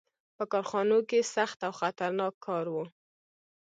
• په کارخانو کې سخت او خطرناک کار و.